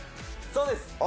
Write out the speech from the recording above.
そうです！